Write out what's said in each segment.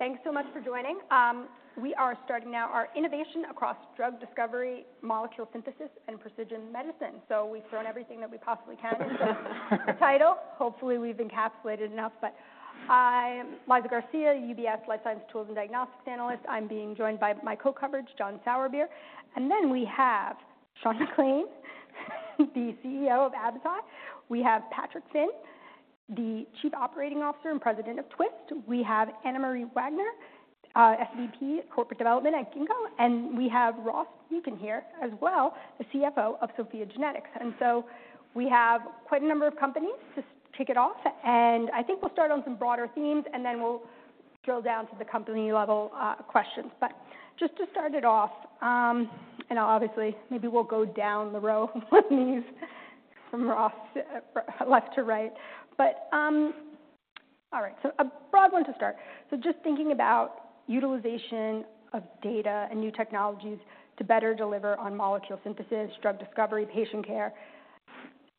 Guys, thanks so much for joining. We are starting now our innovation across drug discovery, molecule synthesis, and precision medicine. We've thrown everything that we possibly can into the title. Hopefully, we've encapsulated enough. I'm Liza Garcia, UBS Life Sciences Tools and Diagnostics Analyst. I'm being joined by my co-coverage, John Sourbeer. We have Sean McClain, the CEO of Absci. We have Patrick Finn, the Chief Operating Officer and President of Twist. We have Anna Marie Wagner, SVP, Corporate Development at Ginkgo, and we have Ross Muken here as well, the CFO of SOPHiA GENETICS. We have quite a number of companies to kick it off, and I think we'll start on some broader themes, and then we'll drill down to the company-level questions. Just to start it off, and obviously, maybe we'll go down the row with these from Ross, left to right. All right, a broad one to start. Just thinking about utilization of data and new technologies to better deliver on molecule synthesis, drug discovery, patient care,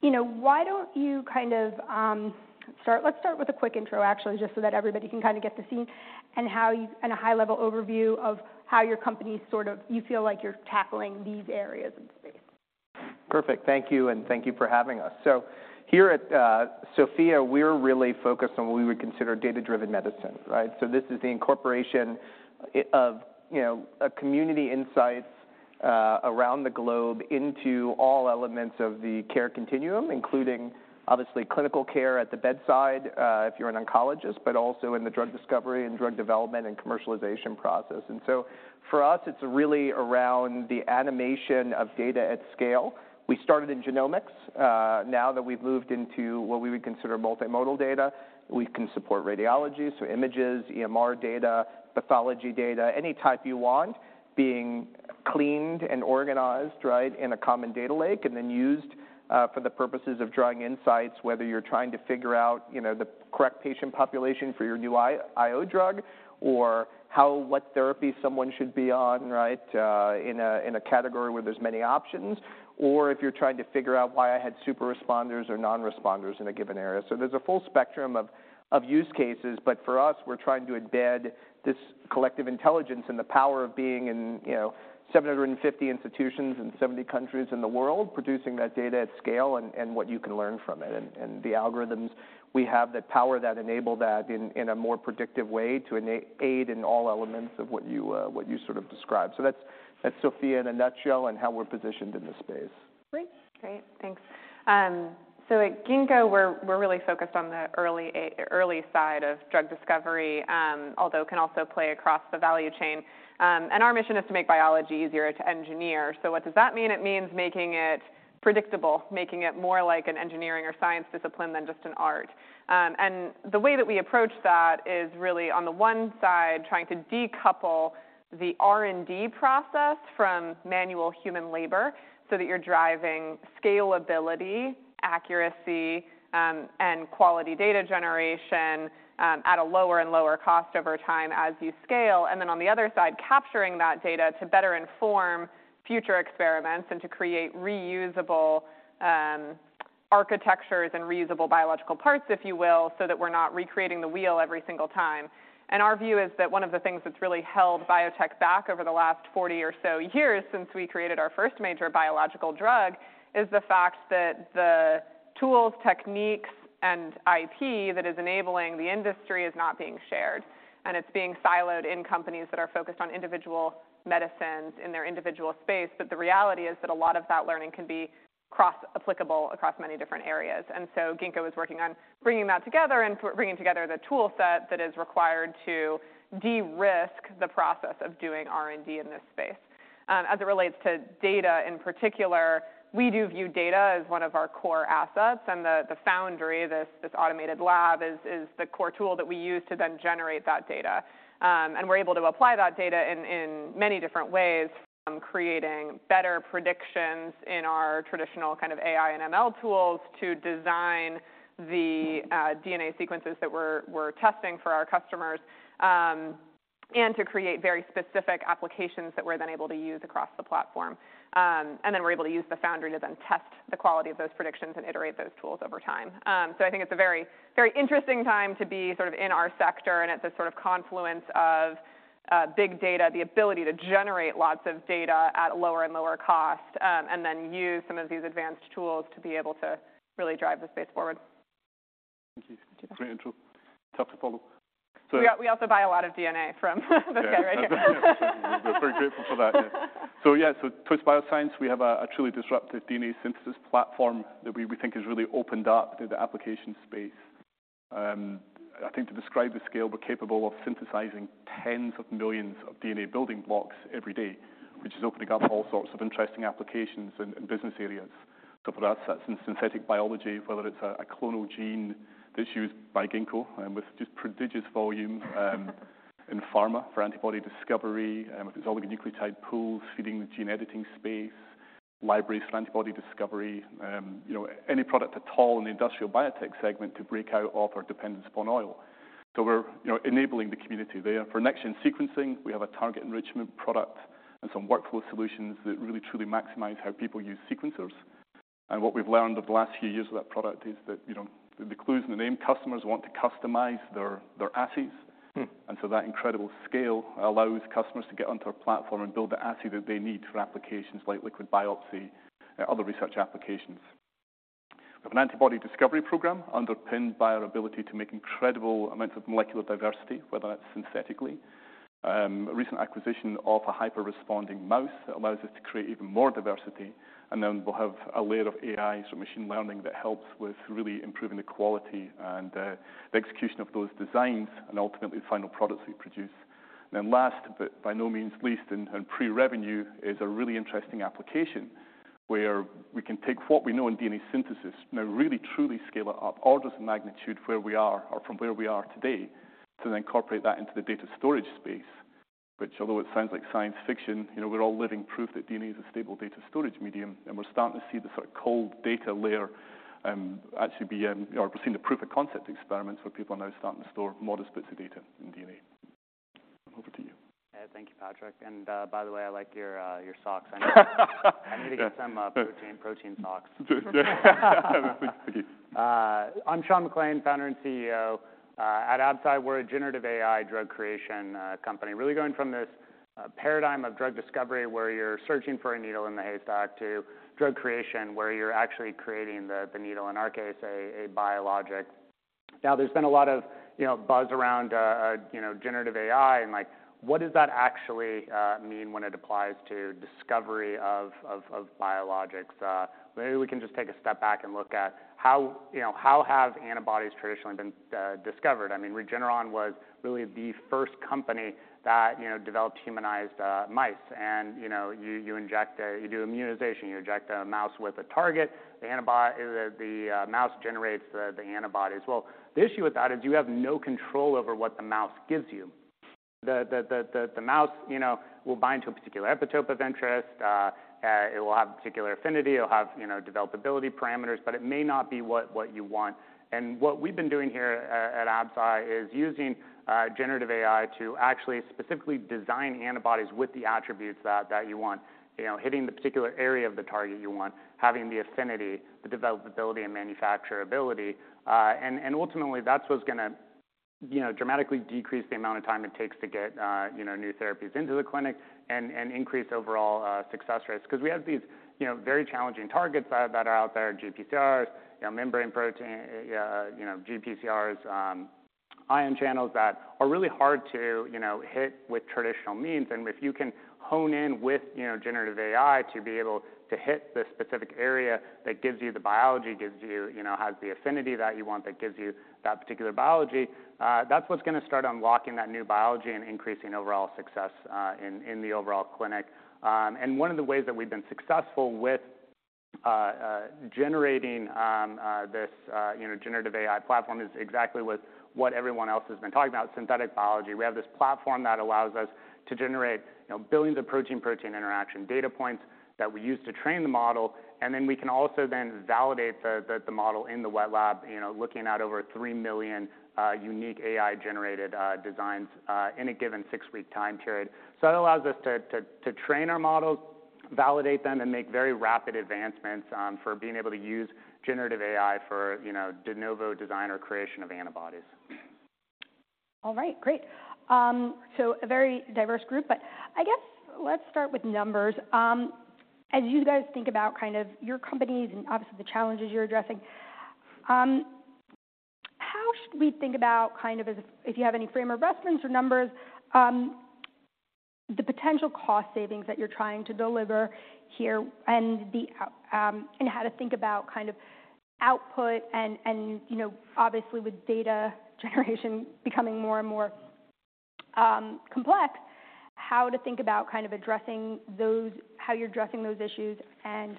you know, why don't you kind of start. Let's start with a quick intro, actually, just so that everybody can kind of get to see and how you and a high-level overview of how your company sort of you feel like you're tackling these areas in the space. Perfect. Thank you, and thank you for having us. Here at SOPHiA, we're really focused on what we would consider data-driven medicine, right? This is the incorporation of, you know, a community insights around the globe into all elements of the care continuum, including obviously, clinical care at the bedside, if you're an oncologist, but also in the drug discovery, and drug development, and commercialization process. For us, it's really around the animation of data at scale. We started in genomics. Now that we've moved into what we would consider multimodal data, we can support radiology, so images, EMR data, pathology data, any type you want, being cleaned and organized, right, in a common data lake, and then used for the purposes of drawing insights, whether you're trying to figure out, you know, the correct patient population for your new IO drug, or how, what therapy someone should be on, right, in a, in a category where there's many options, or if you're trying to figure out why I had super responders or non-responders in a given area. There's a full spectrum of, of use cases, but for us, we're trying to embed this collective intelligence and the power of being in, you know, 750 institutions in 70 countries in the world, producing that data at scale and, and what you can learn from it, and, and the algorithms. We have the power that enable that in, in a more predictive way to aid in all elements of what you, what you sort of described. That's, that's SOPHiA in a nutshell and how we're positioned in this space. Great. Great, thanks. At Ginkgo, we're, we're really focused on the early early side of drug discovery, although can also play across the value chain. Our mission is to make biology easier to engineer. What does that mean? It means making it predictable, making it more like an engineering or science discipline than just an art. The way that we approach that is really, on the one side, trying to decouple the R&D process from manual human labor so that you're driving scalability, accuracy, and quality data generation, at a lower and lower cost over time as you scale. On the other side, capturing that data to better inform future experiments and to create reusable, architectures and reusable biological parts, if you will, so that we're not recreating the wheel every single time. Our view is that one of the things that's really held biotech back over the last 40 or so years, since we created our first major biological drug, is the fact that the tools, techniques, and IP that is enabling the industry is not being shared, and it's being siloed in companies that are focused on individual medicines in their individual space. The reality is that a lot of that learning can be cross-applicable across many different areas. Ginkgo is working on bringing that together and for bringing together the toolset that is required to de-risk the process of doing R&D in this space. As it relates to data, in particular, we do view data as one of our core assets, and the, the Foundry, this, this automated lab is, is the core tool that we use to then generate that data. We're able to apply that data in, in many different ways, from creating better predictions in our traditional kind of AI and ML tools to design the DNA sequences that we're, we're testing for our customers, and to create very specific applications that we're then able to use across the platform. Then we're able to use the Foundry to then test the quality of those predictions and iterate those tools over time. I think it's a very, very interesting time to be sort of in our sector and at this sort of confluence of big data, the ability to generate lots of data at a lower and lower cost, and then use some of these advanced tools to be able to really drive the space forward. Thank you. Thank you. Great intro. Tough to follow. We, we also buy a lot of DNA from this guy right here. Yeah. We're very grateful for that, yeah. Yeah, so Twist Bioscience, we have a, a truly disruptive DNA synthesis platform that we, we think has really opened up the application space. I think to describe the scale, we're capable of synthesizing tens of millions of DNA building blocks every day, which is opening up all sorts of interesting applications and, and business areas. For us, that's in synthetic biology, whether it's a, a clonal gene that's used by Ginkgo, and with just prodigious volume, in pharma for antibody discovery, if it's oligonucleotide pools, feeding the gene editing space, libraries for antibody discovery, you know, any product at all in the industrial biotechnology segment to break out of our dependence upon oil. We're, you know, enabling the community there. For next-gen sequencing, we have a target enrichment product and some workflow solutions that really, truly maximize how people use sequencers. What we've learned over the last few years with that product is that, you know, the clue's in the name, customers want to customize their, their assays. Hmm. That incredible scale allows customers to get onto our platform and build the assay that they need for applications like liquid biopsy and other research applications. We have an antibody discovery program underpinned by our ability to make incredible amounts of molecular diversity, whether that's synthetically. A recent acquisition of a hyper-responding mouse that allows us to create even more diversity, and then we'll have a layer of AI, so machine learning, that helps with really improving the quality and the execution of those designs and ultimately the final products we produce. Last, but by no means least, and, and pre-revenue, is a really interesting application, where we can take what we know in DNA synthesis, now really truly scale it up orders of magnitude where we are-- or from where we are today, to then incorporate that into the data storage space, which although it sounds like science fiction, you know, we're all living proof that DNA is a stable data storage medium, and we're starting to see the sort of cold data layer, actually be, or we're seeing the proof of concept experiments, where people are now starting to store modest bits of data in DNA. Over to you. Thank you, Patrick, and, by the way, I like your socks. I need to get some protein, protein socks. Thank you. I'm Sean McClain, founder and CEO. At Absci, we're a generative AI drug creation company. Really going from this paradigm of drug discovery, where you're searching for a needle in the haystack, to drug creation, where you're actually creating the, the needle, in our case, a biologic. There's been a lot of, you know, buzz around, you know, generative AI and, like, what does that actually mean when it applies to discovery of biologics? Maybe we can just take a step back and look at how, you know, how have antibodies traditionally been discovered? I mean, Regeneron was really the first company that, you know, developed humanized mice. You know, you, you do immunization, you inject a mouse with a target, the mouse generates the, the antibodies. Well, the issue with that is you have no control over what the mouse gives you. The mouse, you know, will bind to a particular epitope of interest, it will have a particular affinity, it'll have, you know, developability parameters, but it may not be what you want. What we've been doing here at Absci is using generative AI to actually specifically design antibodies with the attributes that you want. You know, hitting the particular area of the target you want, having the affinity, the developability, and manufacturability, and ultimately, that's what's gonna, you know, dramatically decrease the amount of time it takes to get, you know, new therapies into the clinic and increase overall success rates. 'Cause we have these, you know, very challenging targets that, that are out there, GPCRs, you know, membrane protein, you know, GPCRs, ion channels, that are really hard to, you know, hit with traditional means. If you can hone in with, you know, generative AI to be able to hit the specific area that gives you the biology, gives you... You know, has the affinity that you want, that gives you that particular biology, that's what's gonna start unlocking that new biology and increasing overall success in the overall clinic. One of the ways that we've been successful with generating this, you know, generative AI platform is exactly what, what everyone else has been talking about, synthetic biology. We have this platform that allows us to generate, you know, billions of protein-protein interaction data points that we use to train the model, and then we can also then validate the, the, the model in the wet lab, you know, looking at over 3 million unique AI-generated designs in a given 6-week time period. That allows us to, to, to train our models, validate them, and make very rapid advancements for being able to use generative AI for, you know, de novo design or creation of antibodies. All right, great. A very diverse group, but I guess let's start with numbers. As you guys think about kind of your companies and obviously the challenges you're addressing, how should we think about, kind of if you have any frame of reference or numbers, the potential cost savings that you're trying to deliver here, and the and how to think about kind of output and, and, you know, obviously with data generation becoming more and more complex, how to think about kind of addressing how you're addressing those issues and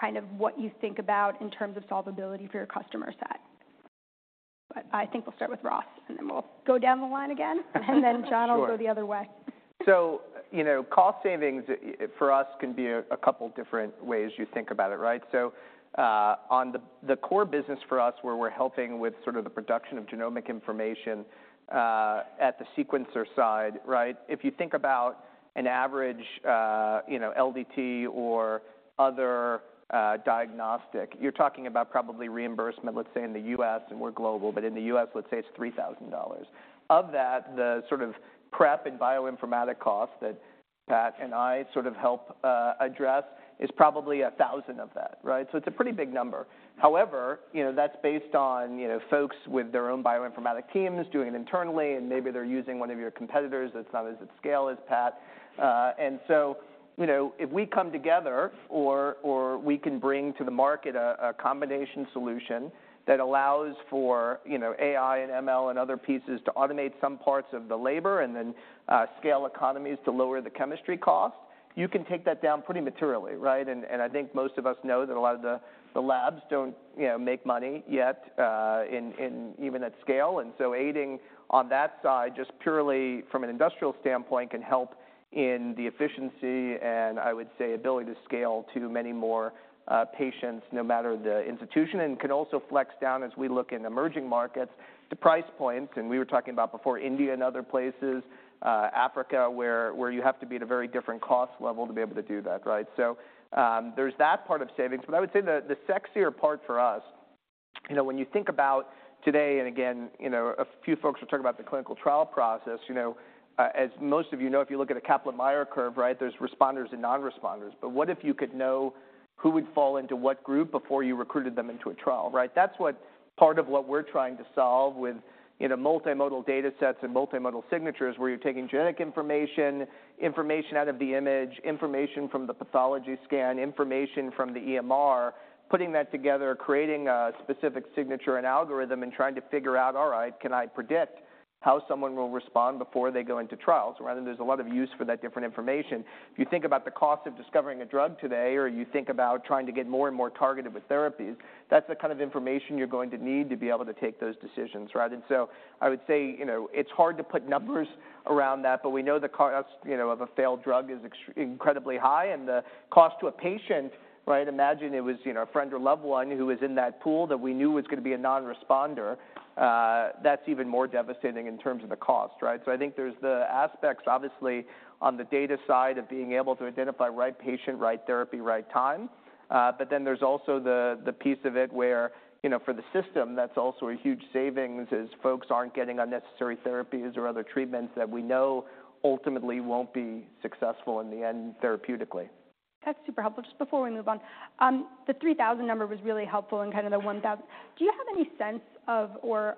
kind of what you think about in terms of solvability for your customer set? I think we'll start with Ross, and then we'll go down the line again, and then, Sean, I'll go the other way. Cost savings for us, can be a couple different ways you think about it, right? On the core business for us, where we're helping with sort of the production of genomic information, at the sequencer side, right? If you think about an average, you know, LDT or other diagnostic, you're talking about probably reimbursement, let's say, in the US, and we're global, but in the US, let's say it's $3,000. Of that, the sort of prep and bioinformatic cost that Pat and I sort of help address, is probably $1,000 of that, right? It's a pretty big number. However, you know, that's based on, you know, folks with their own bioinformatic teams doing it internally, and maybe they're using one of your competitors that's not as at scale as Pat. You know, if we come together, or, or we can bring to the market a, a combination solution that allows for, you know, AI and ML and other pieces to automate some parts of the labor, and then scale economies to lower the chemistry cost, you can take that down pretty materially, right? And, and I think most of us know that a lot of the, the labs don't, you know, make money yet, in, in even at scale. Aiding on that side, just purely from an industrial standpoint, can help in the efficiency, and I would say ability to scale to many more patients, no matter the institution. Can also flex down as we look in emerging markets to price points, and we were talking about before, India and other places, Africa, where, where you have to be at a very different cost level to be able to do that, right? There's that part of savings. I would say the, the sexier part for us, you know, when you think about today, and again, you know, a few folks were talking about the clinical trial process. You know, as most of you know, if you look at a Kaplan-Meier curve, right, there's responders and non-responders. What if you could know who would fall into what group before you recruited them into a trial, right? That's what part of what we're trying to solve with, you know, multimodal data sets and multimodal signatures, where you're taking genetic information, information out of the image, information from the pathology scan, information from the EMR, putting that together, creating a specific signature and algorithm, and trying to figure out, all right, can I predict how someone will respond before they go into trials? Rather, there's a lot of use for that different information. If you think about the cost of discovering a drug today, or you think about trying to get more and more targeted with therapies, that's the kind of information you're going to need to be able to take those decisions, right? So I would say, you know, it's hard to put numbers around that, but we know the cost, you know, of a failed drug is incredibly high, and the cost to a patient, right? Imagine it was, you know, a friend or loved one who was in that pool that we knew was gonna be a non-responder. That's even more devastating in terms of the cost, right? I think there's the aspects, obviously, on the data side of being able to identify right patient, right therapy, right time. Then there's also the, the piece of it where, you know, for the system, that's also a huge savings, as folks aren't getting unnecessary therapies or other treatments that we know ultimately won't be successful in the end, therapeutically. That's super helpful. Just before we move on, the 3,000 number was really helpful and kind of the 1,000. Do you have any sense of, or,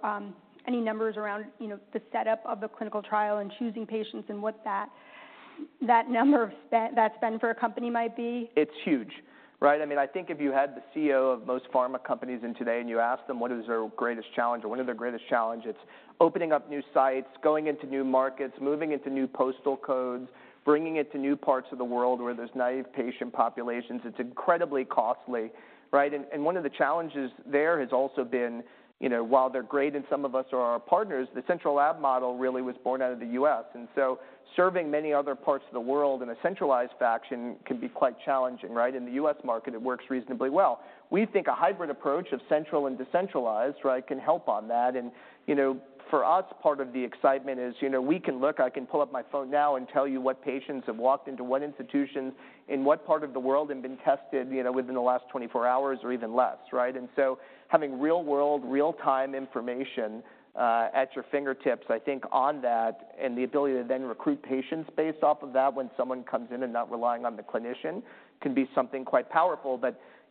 any numbers around, you know, the setup of the clinical trial and choosing patients and what that, that number of spen- that spend for a company might be? It's huge, right? I mean, I think if you had the CEO of most pharma companies in today, and you asked them what is their greatest challenge or one of their greatest challenge, it's opening up new sites, going into new markets, moving into new postal codes, bringing it to new parts of the world where there's naive patient populations. It's incredibly costly, right? One of the challenges there has also been, you know, while they're great, and some of us are our partners, the central lab model really was born out of the U.S. So serving many other parts of the world in a centralized fashion can be quite challenging, right? In the U.S. market, it works reasonably well. We think a hybrid approach of central and decentralized, right, can help on that. You know, for us, part of the excitement is, I can pull up my phone now and tell you what patients have walked into what institutions in what part of the world and been tested, you know, within the last 24 hours or even less, right. Having real-world, real-time information at your fingertips, I think on that, and the ability to then recruit patients based off of that when someone comes in and not relying on the clinician, can be something quite powerful.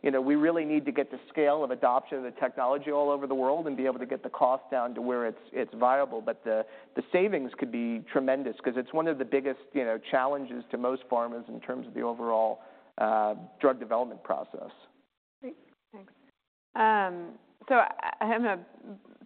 You know, we really need to get the scale of adoption of the technology all over the world and be able to get the cost down to where it's, it's viable. The, the savings could be tremendous because it's one of the biggest, you know, challenges to most pharmas in terms of the overall drug development process. Great. Thanks. So I-I'm gonna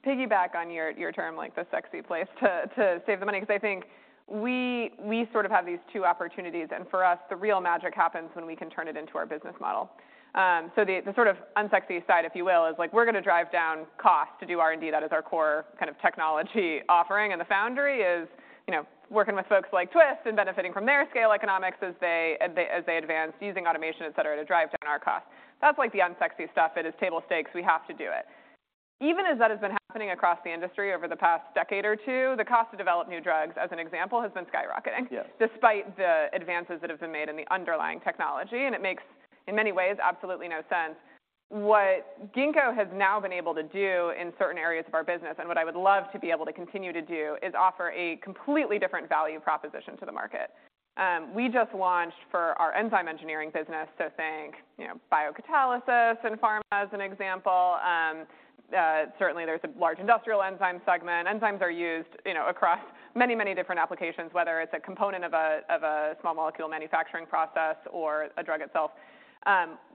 piggyback on your, your term, like, the sexy place to, to save the money, because I think we, we sort of have these two opportunities. For us, the real magic happens when we can turn it into our business model. So the, the sort of unsexy side, if you will, is like, we're gonna drive down cost to do R&D. That is our core kind of technology offering. The Foundry is, you know, working with folks like Twist and benefiting from their scale economics as they, as they, as they advance, using automation, et cetera, to drive down our costs. That's like the unsexy stuff. It is table stakes. We have to do it. Even as that has been happening across the industry over the past decade or two, the cost to develop new drugs, as an example, has been skyrocketing. Yes... despite the advances that have been made in the underlying technology, and it makes, in many ways, absolutely no sense. What Ginkgo has now been able to do in certain areas of our business, and what I would love to be able to continue to do, is offer a completely different value proposition to the market. We just launched for our enzyme engineering business, so think, you know, biocatalysis and pharma as an example. Certainly there's a large industrial enzyme segment. Enzymes are used, you know, across many, many different applications, whether it's a component of a, of a small molecule manufacturing process or a drug itself.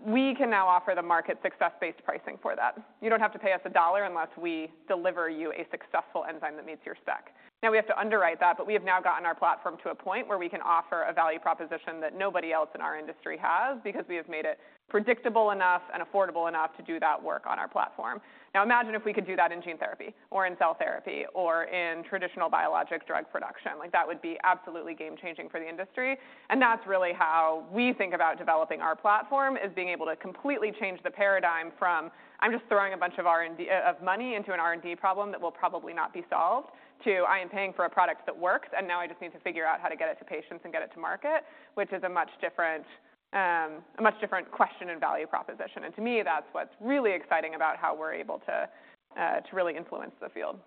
We can now offer the market success-based pricing for that. You don't have to pay us $1 unless we deliver you a successful enzyme that meets your spec. We have to underwrite that, but we have now gotten our platform to a point where we can offer a value proposition that nobody else in our industry has because we have made it predictable enough and affordable enough to do that work on our platform. Imagine if we could do that in gene therapy or in cell therapy or in traditional biologic drug production. Like, that would be absolutely game-changing for the industry, and that's really how we think about developing our platform, is being able to completely change the paradigm from, "I'm just throwing a bunch of R&D... of money into an R&D problem that will probably not be solved," to, "I am paying for a product that works, and now I just need to figure out how to get it to patients and get it to market," which is a much different, a much different question and value proposition. To me, that's what's really exciting about how we're able to, to really influence the field.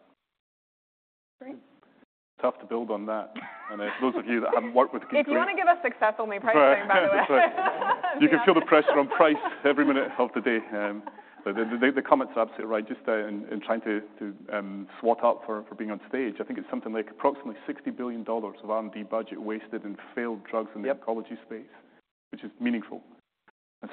Great. It's tough to build on that. Those of you that haven't worked with Ginkgo. If you want to give us success only pricing, by the way. Right. That's right. You can feel the pressure on price every minute of the day. The, the, the comment's absolutely right. Just in, in trying to, to swat up for, for being on stage, I think it's something like approximately $60 billion of R&D budget wasted in failed drugs in the- Yep oncology space, which is meaningful.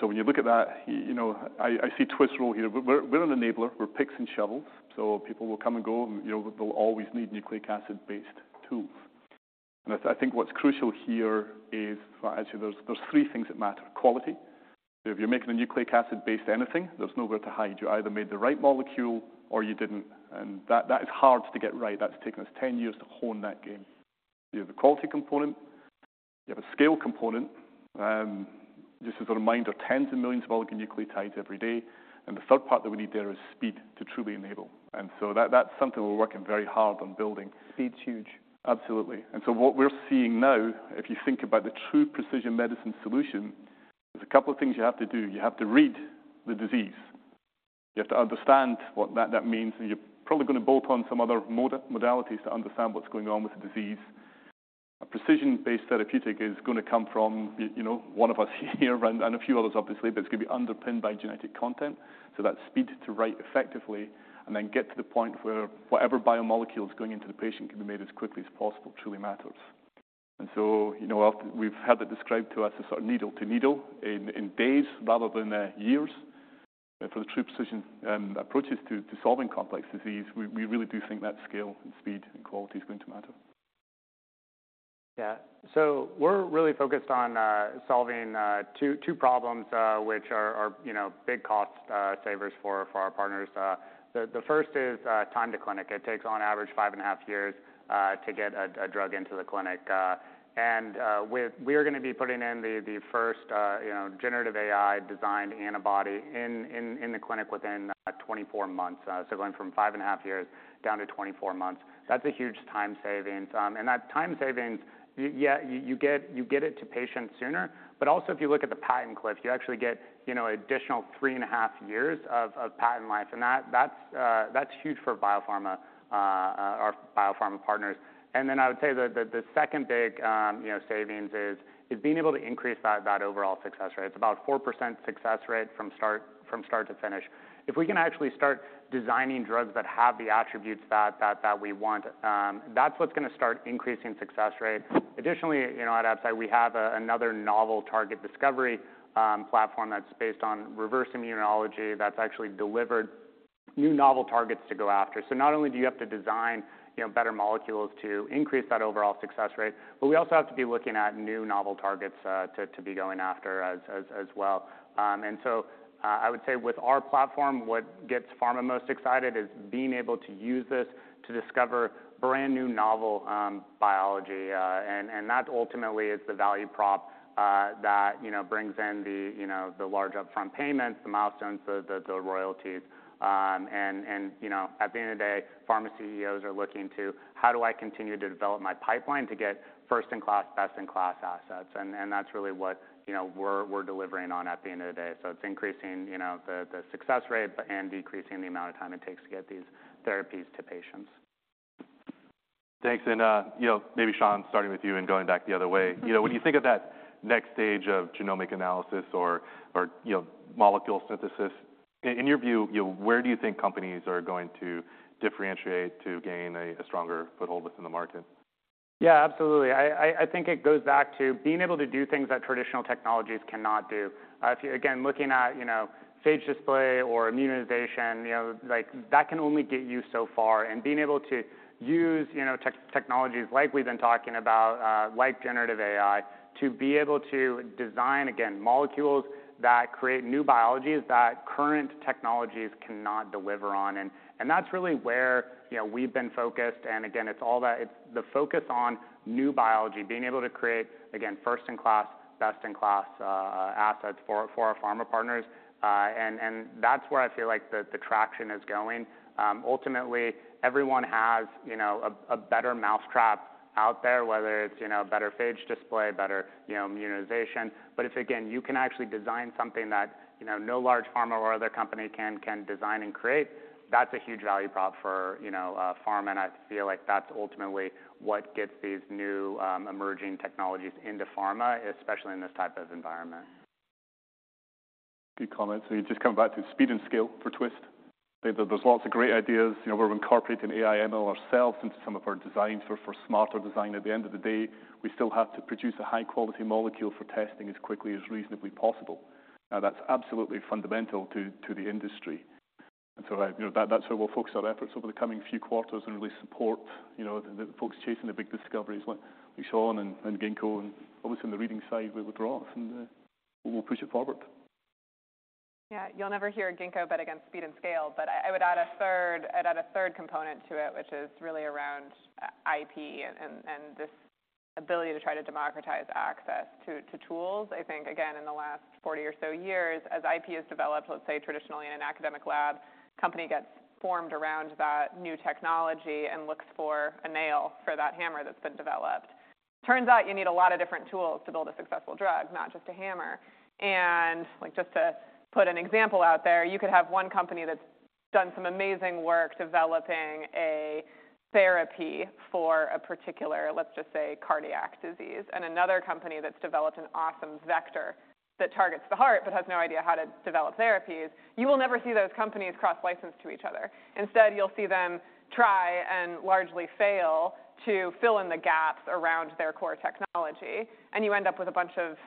When you look at that, you know, I, I see Twist role here. We're, we're an enabler. We're picks and shovels, so people will come and go, and, you know, they'll always need nucleic acid-based tools. I think what's crucial here is, well, actually, there's, there's three things that matter. Quality, if you're making a nucleic acid-based anything, there's nowhere to hide. You either made the right molecule or you didn't, and that, that is hard to get right. That's taken us 10 years to hone that game. You have a quality component, you have a scale component, just as a reminder, tens of millions of oligonucleotides every day, the third part that we need there is speed to truly enable. That, that's something we're working very hard on building. Speed's huge. Absolutely. What we're seeing now, if you think about the true precision medicine. There's a couple of things you have to do. You have to read the disease. You have to understand what that that means, and you're probably gonna bolt on some other modalities to understand what's going on with the disease. A precision-based therapeutic is gonna come from you know, one of us here and and a few others, obviously, but it's gonna be underpinned by genetic content. That speed to write effectively and then get to the point where whatever biomolecule is going into the patient can be made as quickly as possible, truly matters. You know, we've had it described to us as sort of needle to needle in in days rather than years. For the true precision approaches to solving complex disease, we really do think that scale and speed and quality is going to matter. Yeah. We're really focused on solving two problems, which are, you know, big cost savers for our partners. The first is time to clinic. It takes on average 5.5 years to get a drug into the clinic. We are gonna be putting in the first, you know, generative AI-designed antibody in the clinic within 24 months. Going from 5.5 years down to 24 months, that's a huge time saving. That time savings, yeah, you get it to patients sooner. Also, if you look at the patent cliff, you actually get, you know, additional 3.5 years of patent life, and that's huge for biopharma, our biopharma partners. Then I would say that the second big, you know, savings is being able to increase that overall success rate. It's about 4% success rate from start to finish. If we can actually start designing drugs that have the attributes that we want, that's what's gonna start increasing success rate. Additionally, you know, at Absci, we have another novel target discovery platform that's based on reverse immunology, that's actually delivered new novel targets to go after. Not only do you have to design, you know, better molecules to increase that overall success rate, but we also have to be looking at new novel targets to be going after as well. I would say with our platform, what gets pharma most excited is being able to use this to discover brand-new novel biology, and that ultimately is the value prop that, you know, brings in the, you know, the large upfront payments, the milestones, the, the, the royalties. At the end of the day, pharma CEOs are looking to: "How do I continue to develop my pipeline to get first-in-class, best-in-class assets?" That's really what, you know, we're, we're delivering on at the end of the day. It's increasing, you know, the, the success rate and decreasing the amount of time it takes to get these therapies to patients. Thanks. You know, maybe Sean, starting with you and going back the other way, you know, when you think of that next stage of genomic analysis or, or, you know, molecule synthesis, in your view, you know, where do you think companies are going to differentiate to gain a, a stronger foothold within the market? Yeah, absolutely. I, I, I think it goes back to being able to do things that traditional technologies cannot do. If you, again, looking at, you know, phage display or immunization, you know, like, that can only get you so far. Being able to use, you know, technologies like we've been talking about, like generative AI, to be able to design, again, molecules that create new biologies that current technologies cannot deliver on. That's really where, you know, we've been focused. Again, it's the focus on new biology, being able to create, again, first-in-class, best-in-class assets for our, for our pharma partners. That's where I feel like the, the traction is going. Ultimately, everyone has, you know, a, a better mousetrap out there, whether it's, you know, better phage display, better, you know, immunization. If, again, you can actually design something that, you know, no large pharma or other company can, can design and create, that's a huge value prop for, you know, pharma, and I feel like that's ultimately what gets these new emerging technologies into pharma, especially in this type of environment. Good comment. You just come back to speed and scale for Twist. There, there's lots of great ideas. You know, we're incorporating AI, ML ourselves into some of our designs for, for smarter design. At the end of the day, we still have to produce a high-quality molecule for testing as quickly as reasonably possible. Now, that's absolutely fundamental to, to the industry. You know, that, that's where we'll focus our efforts over the coming few quarters and really support, you know, the, the folks chasing the big discoveries, like Sean and, and Ginkgo, and obviously on the reading side with, with Roche, and we'll push it forward. Yeah. You'll never hear Ginkgo bet against speed and scale. I would add a third... I'd add a third component to it, which is really around IP and this ability to try to democratize access to tools. I think, again, in the last 40 or so years, as IP has developed, let's say, traditionally in an academic lab, company gets formed around that new technology and looks for a nail for that hammer that's been developed. Turns out you need a lot of different tools to build a successful drug, not just a hammer. Like, just to put an example out there, you could have one company that's done some amazing work developing a therapy for a particular, let's just say, cardiac disease, and another company that's developed an awesome vector that targets the heart, but has no idea how to develop therapies. You will never see those companies cross-license to each other. Instead, you'll see them try and largely fail to fill in the gaps around their core technology, and you end up with a bunch of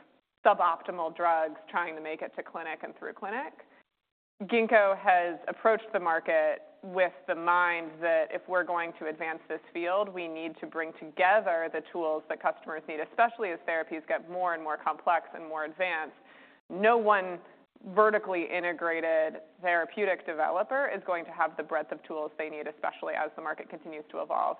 suboptimal drugs trying to make it to clinic and through clinic. Ginkgo has approached the market with the mind that if we're going to advance this field, we need to bring together the tools that customers need, especially as therapies get more and more complex and more advanced.... no one vertically integrated therapeutic developer is going to have the breadth of tools they need, especially as the market continues to evolve.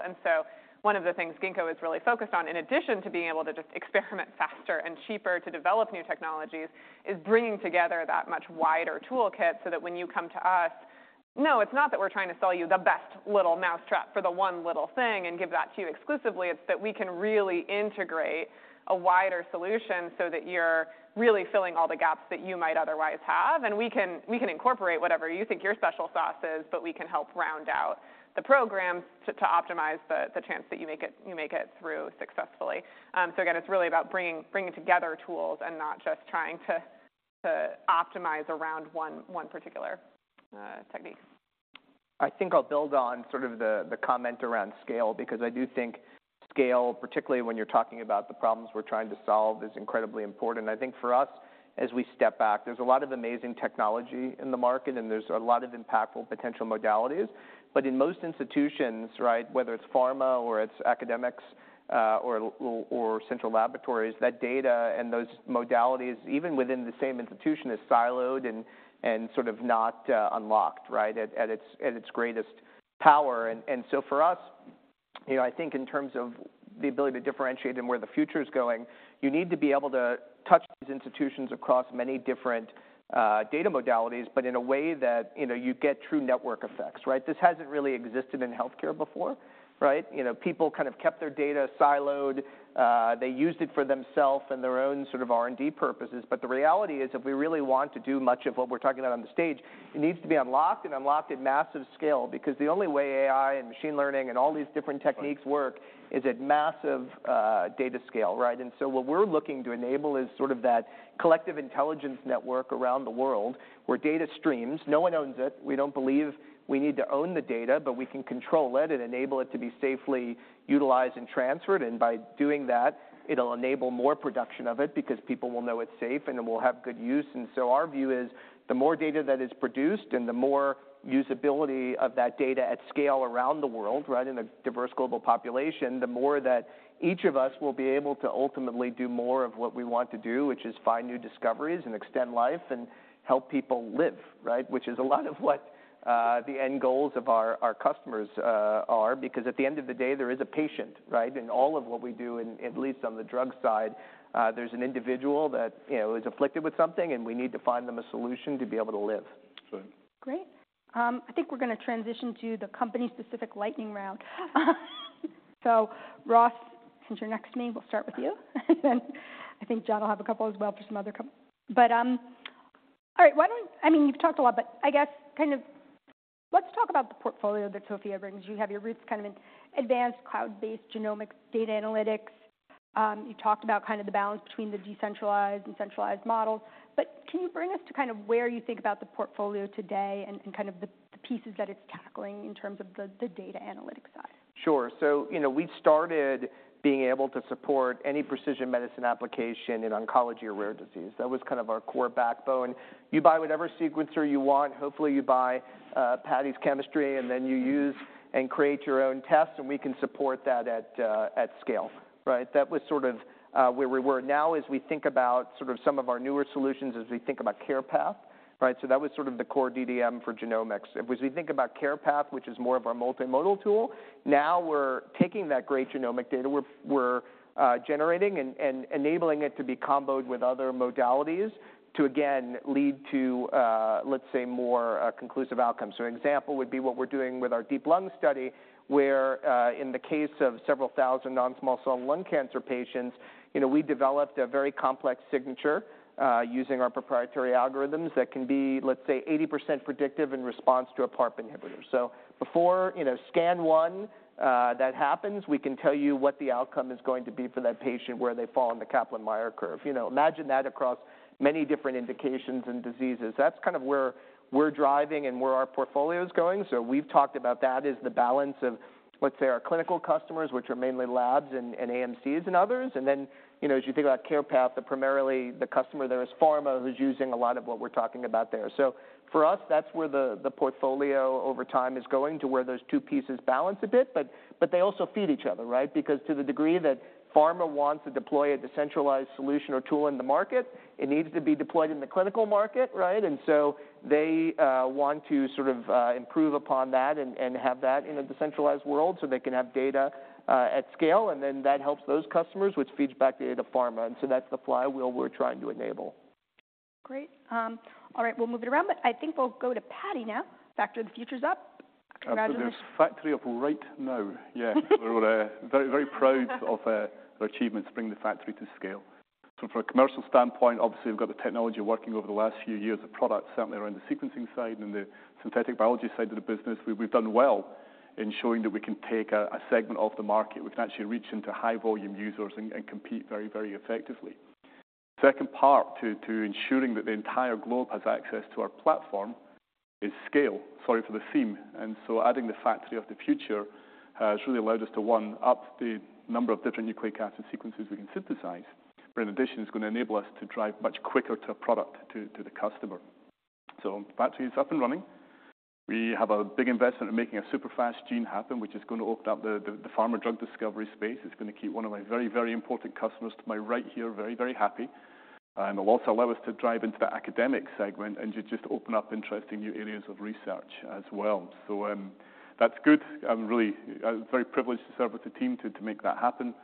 One of the things Ginkgo is really focused on, in addition to being able to just experiment faster and cheaper to develop new technologies, is bringing together that much wider toolkit, so that when you come to us, no, it's not that we're trying to sell you the best little mousetrap for the one little thing and give that to you exclusively. It's that we can really integrate a wider solution so that you're really filling all the gaps that you might otherwise have, and we can, we can incorporate whatever you think your special sauce is, but we can help round out the program to, to optimize the, the chance that you make it, you make it through successfully. So again, it's really about bringing, bringing together tools and not just trying to, to optimize around one, one particular technique. I think I'll build on sort of the, the comment around scale, because I do think scale, particularly when you're talking about the problems we're trying to solve, is incredibly important. I think for us, as we step back, there's a lot of amazing technology in the market, and there's a lot of impactful potential modalities. In most institutions, right, whether it's pharma or it's academics, or central laboratories, that data and those modalities, even within the same institution, is siloed and, and sort of not unlocked, right, at, at its, at its greatest power. So for us, you know, I think in terms of the ability to differentiate and where the future is going, you need to be able to touch these institutions across many different data modalities, but in a way that, you know, you get true network effects, right? This hasn't really existed in healthcare before, right? You know, people kind of kept their data siloed. They used it for themself and their own sort of R&D purposes. The reality is, if we really want to do much of what we're talking about on the stage, it needs to be unlocked and unlocked at massive scale, because the only way AI and machine learning and all these different techniques work is at massive data scale, right? What we're looking to enable is sort of that collective intelligence network around the world where data streams, no one owns it. We don't believe we need to own the data, but we can control it and enable it to be safely utilized and transferred, and by doing that, it'll enable more production of it because people will know it's safe and it will have good use. Our view is, the more data that is produced and the more usability of that data at scale around the world, right, in a diverse global population, the more that each of us will be able to ultimately do more of what we want to do, which is find new discoveries and extend life and help people live, right? Which is a lot of what the end goals of our, our customers are, because at the end of the day, there is a patient, right? In all of what we do, in at least on the drug side, there's an individual that, you know, is afflicted with something, and we need to find them a solution to be able to live. Right. Great. I think we're gonna transition to the company-specific lightning round. Ross, since you're next to me, we'll start with you. And then I think John will have a couple as well for some other. All right, I mean, you've talked a lot, but I guess kind of let's talk about the portfolio that Sophia brings. You have your roots kind of in advanced cloud-based genomics, data analytics. You talked about kind of the balance between the decentralized and centralized models, but can you bring us to kind of where you think about the portfolio today and kind of the, the pieces that it's tackling in terms of the, the data analytics side? Sure. You know, we started being able to support any precision medicine application in oncology or rare disease. That was kind of our core backbone. You buy whatever sequencer you want. Hopefully, you buy Paddy's chemistry, and then you use and create your own tests, and we can support that at scale, right? That was sort of where we were. Now, as we think about sort of some of our newer solutions, as we think about CarePath, right? That was sort of the core DDM for genomics. As we think about CarePath, which is more of our multimodal tool, now we're taking that great genomic data, we're generating and enabling it to be comboed with other modalities to, again, lead to, let's say, more conclusive outcomes. An example would be what we're doing with our DEEP-Lung study, where, in the case of several thousand non-small cell lung cancer patients, you know, we developed a very complex signature, using our proprietary algorithms that can be, let's say, 80% predictive in response to a PARP inhibitor. Before, you know, scan one that happens, we can tell you what the outcome is going to be for that patient, where they fall in the Kaplan-Meier curve. You know, imagine that across many different indications and diseases. That's kind of where we're driving and where our portfolio is going. We've talked about that as the balance of, let's say, our clinical customers, which are mainly labs and, and AMCs and others. Then, you know, as you think about CarePath, primarily the customer there is pharma, who's using a lot of what we're talking about there. For us, that's where the, the portfolio over time is going to, where those two pieces balance a bit. They also feed each other, right? Because to the degree that pharma wants to deploy a decentralized solution or tool in the market, it needs to be deployed in the clinical market, right? They want to sort of improve upon that and, and have that in a decentralized world, so they can have data at scale, and then that helps those customers, which feeds back into pharma. That's the flywheel we're trying to enable. Great. All right, we'll move it around, but I think we'll go to Paddy now. Factory of the Future's up. Congratulations. Absolutely. Factory up right now. Yeah. We're very, very proud of the achievements to bring the factory to scale. From a commercial standpoint, obviously, we've got the technology working over the last few years, the product certainly around the sequencing side and the synthetic biology side of the business. We've done well in showing that we can take a segment of the market. We can actually reach into high-volume users and compete very, very effectively. Second part, to ensuring that the entire globe has access to our platform is scale. Sorry for the theme. So adding the Factory of the Future has really allowed us to, one, up the number of different nucleic acid sequences we can synthesize, but in addition, it's gonna enable us to drive much quicker to a product, to the customer. Factory is up and running. We have a big investment in making a super-fast gene happen, which is going to open up the, the pharma drug discovery space. It's going to keep one of my very, very important customers to my right here, very, very happy. It'll also allow us to drive into the academic segment, and just open up interesting new areas of research as well. That's good. I'm really, I'm very privileged to serve with the team to, to make that happen.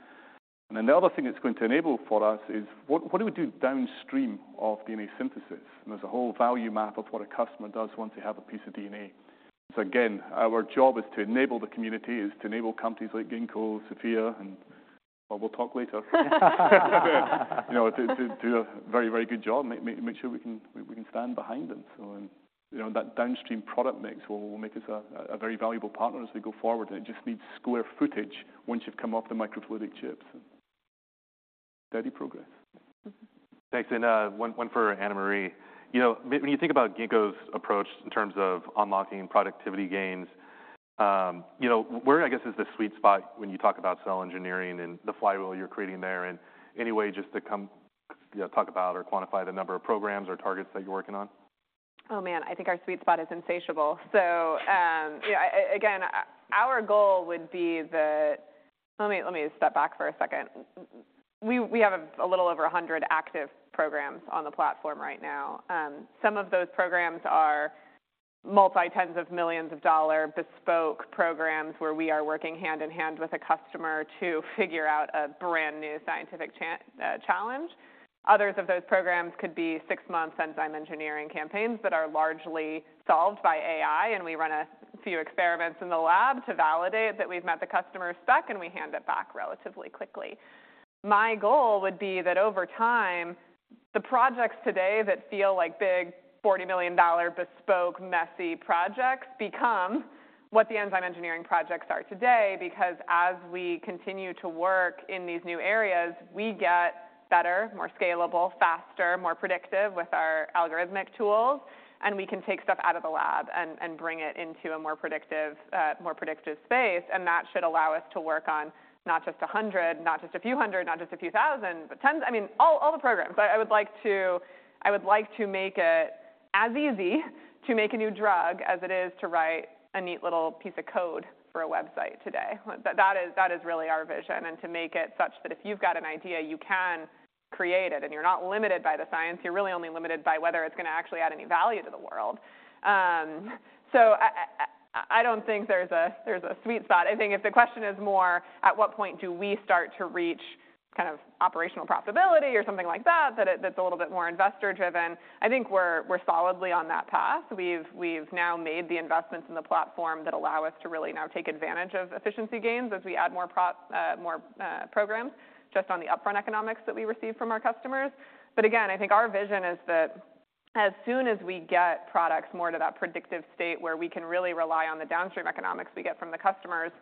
Then the other thing that's going to enable for us is, what, what do we do downstream of DNA synthesis? There's a whole value map of what a customer does once they have a piece of DNA. Again, our job is to enable the community, is to enable companies like Ginkgo, SOPHiA, and, we'll talk later. You know, to, to do a very, very good job, make sure we can, we can stand behind them. You know, that downstream product mix will, will make us a, a very valuable partner as we go forward. It just needs square footage once you've come off the microfluidic chips. Steady progress. Thanks. One, one for Anna Marie. You know, when, when you think about Ginkgo's approach in terms of unlocking productivity gains, you know, where, I guess, is the sweet spot when you talk about cell engineering and the flywheel you're creating there? Any way just to, you know, talk about or quantify the number of programs or targets that you're working on? Oh, man, I think our sweet spot is insatiable. Again, our goal would be the. Let me step back for a second. We have a little over 100 active programs on the platform right now. Some of those programs are multi-tens of millions of dollar bespoke programs, where we are working hand in hand with a customer to figure out a brand-new scientific challenge. Others of those programs could be 6-month enzyme engineering campaigns that are largely solved by AI, we run a few experiments in the lab to validate that we've met the customer's spec, and we hand it back relatively quickly. My goal would be that over time, the projects today that feel like big, $40 million bespoke, messy projects become what the enzyme engineering projects are today. As we continue to work in these new areas, we get better, more scalable, faster, more predictive with our algorithmic tools, and we can take stuff out of the lab and bring it into a more predictive, more predictive space. That should allow us to work on not just 100, not just a few hundred, not just a few thousand, but tens. I mean, all, all the programs. I would like to, I would like to make it as easy to make a new drug as it is to write a neat little piece of code for a website today. That, that is, that is really our vision, and to make it such that if you've got an idea, you can create it, and you're not limited by the science. You're really only limited by whether it's gonna actually add any value to the world. I, I, I don't think there's a, there's a sweet spot. I think if the question is more, at what point do we start to reach kind of operational profitability or something like that, that that's a little bit more investor-driven, I think we're, we're solidly on that path. We've, we've now made the investments in the platform that allow us to really now take advantage of efficiency gains as we add more programs, just on the upfront economics that we receive from our customers. Again, I think our vision is that as soon as we get products more to that predictive state where we can really rely on the downstream economics we get from the customers,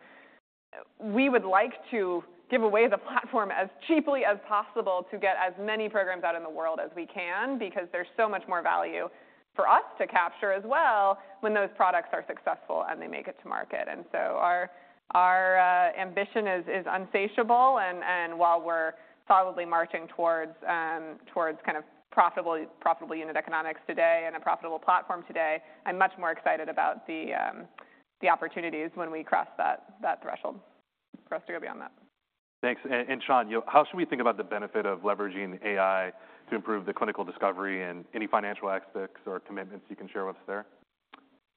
we would like to give away the platform as cheaply as possible to get as many programs out in the world as we can, because there's so much more value for us to capture as well when those products are successful and they make it to market. Our, our ambition is, is insatiable, and, and while we're solidly marching towards, towards kind of profitably unit economics today and a profitable platform today, I'm much more excited about the, the opportunities when we cross that, that threshold for us to go beyond that. Thanks. Sean, how should we think about the benefit of leveraging AI to improve the clinical discovery and any financial aspects or commitments you can share with us there?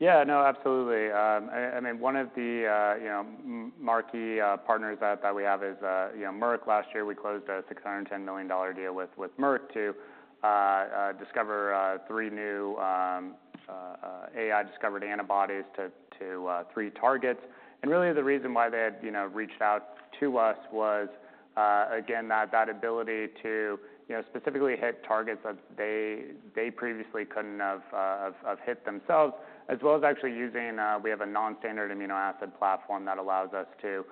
Yeah, no, absolutely. I mean, one of the, you know, marquee partners that we have is, you know, Merck. Last year, we closed a $610 million deal with Merck to discover three new AI-discovered antibodies to three targets. Really, the reason why they had, you know, reached out to us was, again, that, that ability to, you know, specifically hit targets that they previously couldn't have hit themselves, as well as actually using. We have a non-standard amino acid platform that allows us to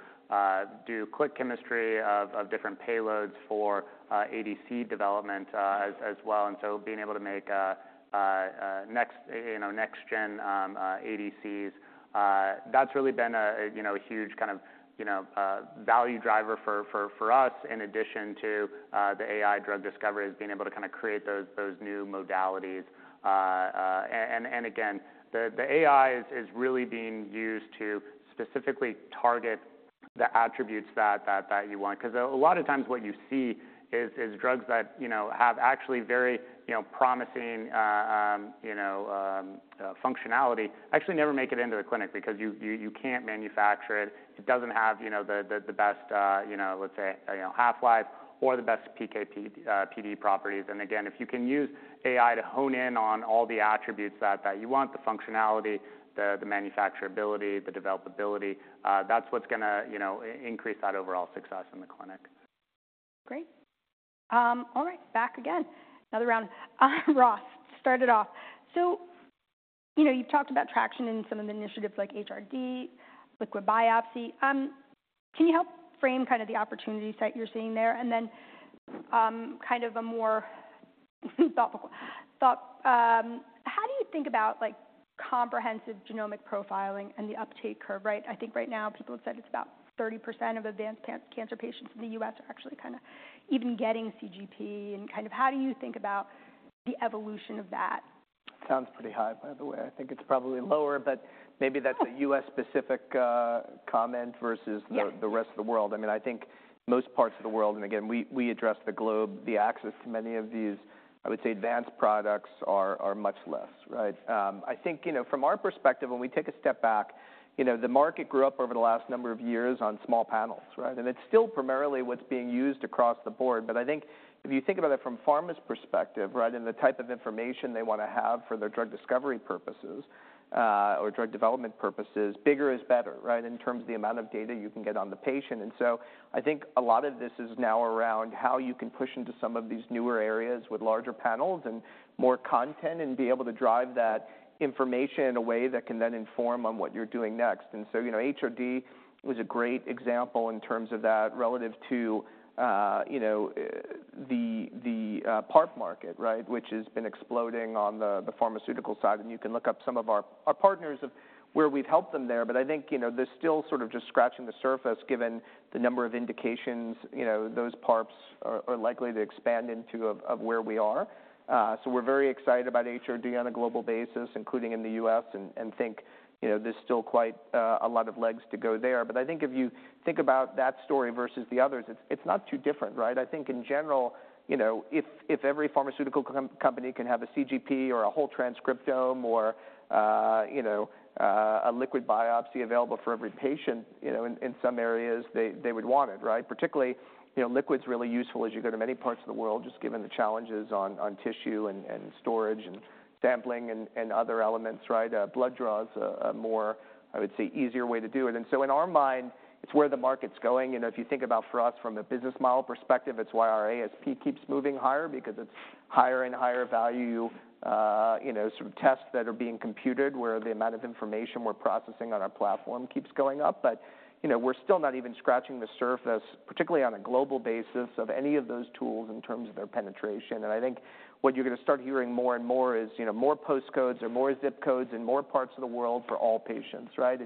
do click chemistry of different payloads for ADC development as well. Being able to make a next, you know, next gen ADCs, that's really been a, a, you know, a huge kind of, you know, value driver for, for, for us, in addition to the AI drug discovery, is being able to kinda create those, those new modalities. Again, the AI is, is really being used to specifically target the attributes that, that, that you want. 'Cause a lot of times what you see is, is drugs that, you know, have actually very, you know, promising, you know, functionality, actually never make it into the clinic because you, you, you can't manufacture it. It doesn't have, you know, the, the, the best, you know, let's say, you know, half-life or the best PK, PD, PD properties. Again, if you can use AI to hone in on all the attributes that, that you want, the functionality, the, the manufacturability, the developability, that's what's gonna, you know, increase that overall success in the clinic. Great. All right, back again. Another round. Ross, start it off. You know, you've talked about traction in some of the initiatives like HRD, liquid biopsy. Can you help frame kind of the opportunities that you're seeing there? Then, kind of a more thoughtful thought, how do you think about, like, comprehensive genomic profiling and the uptake curve, right? I think right now, people have said it's about 30% of advanced cancer patients in the US are actually kinda even getting CGP. Kind of how do you think about the evolution of that? Sounds pretty high, by the way. I think it's probably lower, but maybe that's a U.S. specific comment versus the... Yeah The rest of the world. I mean, I think most parts of the world, and again, we, we address the globe, the access to many of these, I would say, advanced products are much less, right? I think, you know, from our perspective, when we take a step back, you know, the market grew up over the last number of years on small panels, right? It's still primarily what's being used across the board, but I think if you think about it from pharma's perspective, right, and the type of information they want to have for their drug discovery purposes, or drug development purposes, bigger is better, right, in terms of the amount of data you can get on the patient. I think a lot of this is now around how you can push into some of these newer areas with larger panels and more content, and be able to drive that information in a way that can then inform on what you're doing next. You know, HRD was a great example in terms of that relative to, you know, the PARP market, right, which has been exploding on the pharmaceutical side, and you can look up some of our, our partners of where we've helped them there. I think, you know, they're still sort of just scratching the surface, given the number of indications, you know, those PARPs are, are likely to expand into of, of where we are. We're very excited about HRD on a global basis, including in the US, and think, you know, there's still quite a lot of legs to go there. I think if you think about that story versus the others, it's not too different, right? I think in general, you know, if every pharmaceutical company can have a CGP or a whole transcriptome or, you know, a liquid biopsy available for every patient, you know, in some areas, they would want it, right? Particularly, you know, liquid's really useful as you go to many parts of the world, just given the challenges on tissue and storage and sampling and other elements, right? Blood draw is a more, I would say, easier way to do it. In our mind, it's where the market's going. You know, if you think about for us from a business model perspective, it's why our ASP keeps moving higher, because it's higher and higher value, you know, sort of tests that are being computed, where the amount of information we're processing on our platform keeps going up. You know, we're still not even scratching the surface, particularly on a global basis, of any of those tools in terms of their penetration. I think what you're going to start hearing more and more is, you know, more post codes or more zip codes in more parts of the world for all patients, right?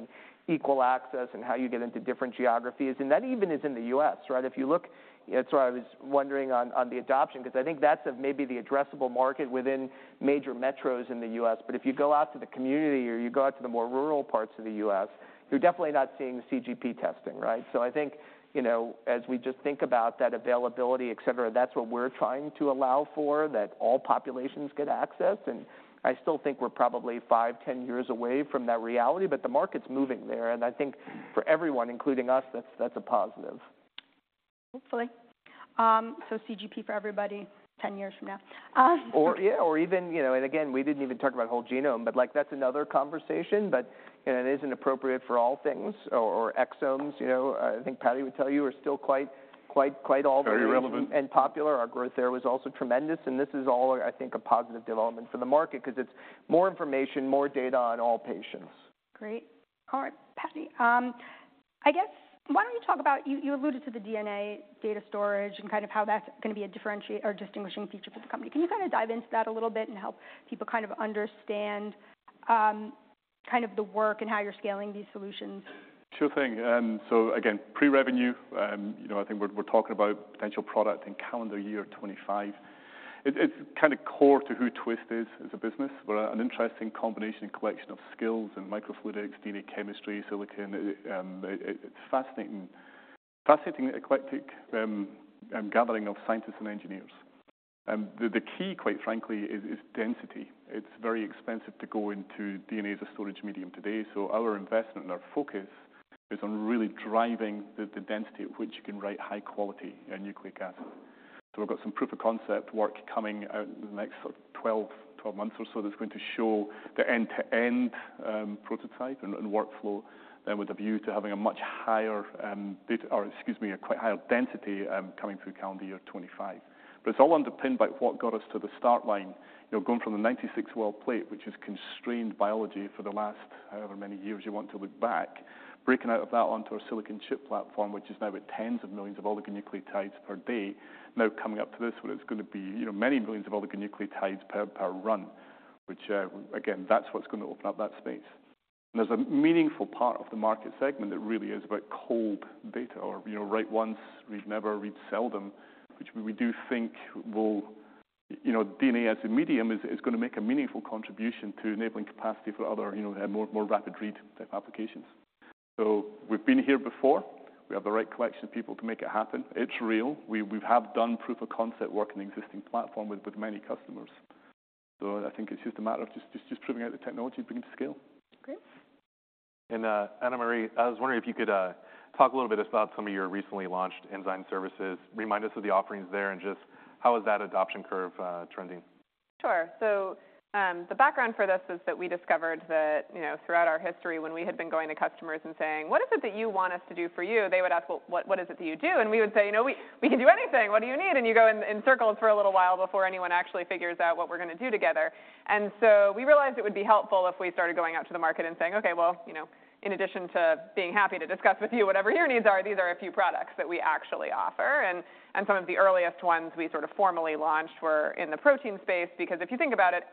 Equal access and how you get into different geographies, and that even is in the US, right? If you look... That's why I was wondering on, on the adoption, because I think that's maybe the addressable market within major metros in the US. If you go out to the community or you go out to the more rural parts of the US, you're definitely not seeing CGP testing, right? I think, you know, as we just think about that availability, et cetera, that's what we're trying to allow for, that all populations get access, and I still think we're probably 5, 10 years away from that reality, but the market's moving there, and I think for everyone, including us, that's, that's a positive. Hopefully. CGP for everybody, 10 years from now. Yeah, or even, you know, and again, we didn't even talk about whole genome, but, like, that's another conversation, but, and it isn't appropriate for all things or, or exomes, you know, I think Paddy would tell you, are still quite, quite, quite all- Very relevant.... and popular. Our growth there was also tremendous, and this is all, I think, a positive development for the market 'cause it's more information, more data on all patients. Great. All right, Paddy, I guess, why don't you talk about... You, you alluded to the DNA data storage and kind of how that's gonna be a differentiate or distinguishing feature for the company. Can you kind of dive into that a little bit and help people kind of understand, kind of the work and how you're scaling these solutions? Sure thing. Again, pre-revenue, you know, I think we're, we're talking about potential product in calendar year 25. It's, it's kind of core to who Twist is as a business. We're an interesting combination and collection of skills in microfluidics, DNA chemistry, silicon. It, it's fascinating, fascinating, eclectic, gathering of scientists and engineers. The, the key, quite frankly, is, is density. It's very expensive to go into DNA as a storage medium today, so our investment and our focus is on really driving the, the density at which you can write high quality, nucleic acid. We've got some proof of concept work coming out in the next sort of 12, 12 months or so, that's going to show the end-to-end, prototype and, and workflow, with a view to having a much higher, data-- or excuse me, a quite higher density, coming through calendar year 2025. It's all underpinned by what got us to the start line. You know, going from the 96-well plate, which is constrained biology for the last however many years you want to look back, breaking out of that onto our silicon chip platform, which is now at tens of millions of oligonucleotides per day, now coming up to this, where it's gonna be, you know, many millions of oligonucleotides per, per run, which, again, that's what's gonna open up that space. There's a meaningful part of the market segment that really is about cold data or, you know, write once, read never, read seldom, which we do think will... You know, DNA as a medium is gonna make a meaningful contribution to enabling capacity for other, you know, more rapid read type applications. We've been here before. We have the right collection of people to make it happen. It's real. We have done proof of concept work in the existing platform with many customers. I think it's just a matter of just proving out the technology and bringing to scale. Great. Anna Marie, I was wondering if you could talk a little bit about some of your recently launched enzyme services. Remind us of the offerings there and just how is that adoption curve trending? Sure. The background for this is that we discovered that, you know, throughout our history, when we had been going to customers and saying, "What is it that you want us to do for you?" They would ask, "Well, what, what is it that you do?" We would say, "You know, we, we can do anything. What do you need?" You go in, in circles for a little while before anyone actually figures out what we're gonna do together. We realized it would be helpful if we started going out to the market and saying, "Okay, well, you know, in addition to being happy to discuss with you whatever your needs are, these are a few products that we actually offer." And some of the earliest ones we sort of formally launched were in the protein space, because if you think about it.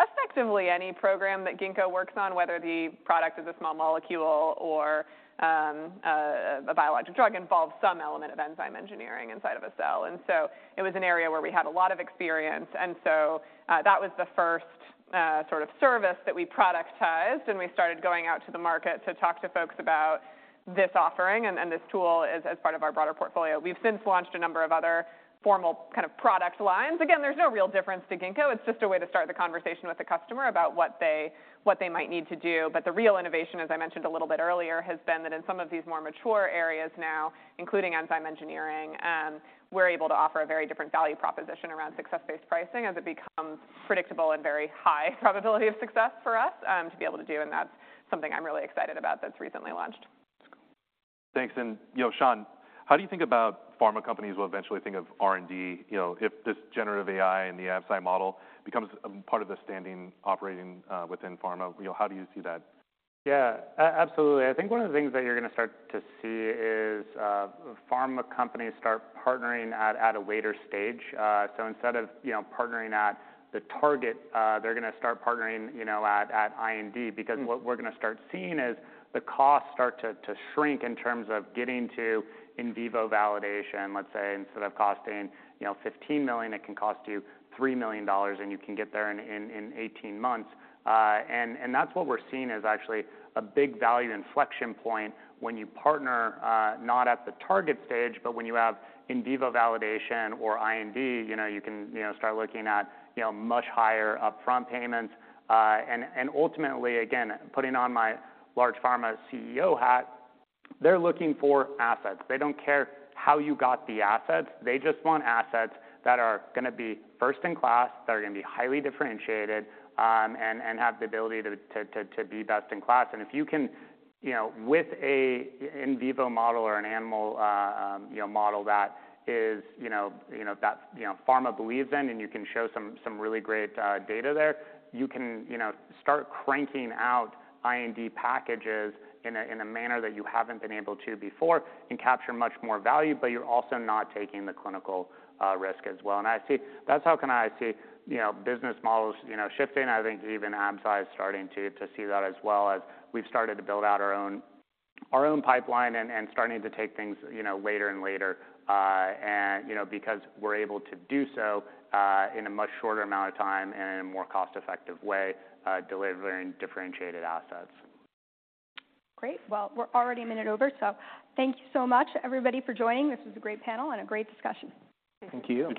effectively, any program that Ginkgo works on, whether the product is a small molecule or a biologic drug, involves some element of enzyme engineering inside of a cell. It was an area where we had a lot of experience, and so that was the first sort of service that we productized, and we started going out to the market to talk to folks about this offering and this tool as, as part of our broader portfolio. We've since launched a number of other formal kind of product lines. Again, there's no real difference to Ginkgo. It's just a way to start the conversation with the customer about what they might need to do. The real innovation, as I mentioned a little bit earlier, has been that in some of these more mature areas now, including enzyme engineering, we're able to offer a very different value proposition around success-based pricing as it becomes predictable and very high probability of success for us to be able to do, and that's something I'm really excited about that's recently launched. Thanks. You know, Sean, how do you think about pharma companies will eventually think of R&D, you know, if this generative AI and the Absci model becomes a part of the standing operating within pharma? You know, how do you see that? Yeah, absolutely. I think one of the things that you're gonna start to see is, pharma companies start partnering at a later stage. Instead of, you know, partnering at the target, they're gonna start partnering, you know, at IND. Because what we're gonna start seeing is the costs start to shrink in terms of getting to in vivo validation, let's say. Instead of costing, you know, $15 million, it can cost you $3 million, and you can get there in 18 months. That's what we're seeing as actually a big value inflection point when you partner, not at the target stage, but when you have in vivo validation or IND. You know, you can, you know, start looking at, you know, much higher upfront payments. Ultimately, again, putting on my large pharma CEO hat, they're looking for assets. They don't care how you got the assets. They just want assets that are gonna be first in class, that are gonna be highly differentiated, and have the ability to be best in class. If you can, you know, with a in vivo model or an animal model that pharma believes in, and you can show some really great data there, you can, you know, start cranking out IND packages in a manner that you haven't been able to before and capture much more value, but you're also not taking the clinical risk as well. That's how, kind of, I see, you know, business models, you know, shifting. I think even Absci is starting to, to see that as well, as we've started to build out our own, our own pipeline and, and starting to take things, you know, later and later, and, you know, because we're able to do so, in a much shorter amount of time and in a more cost-effective way, delivering differentiated assets. Great. Well, we're already 1 minute over, so thank you so much, everybody, for joining. This was a great panel and a great discussion. Thank you.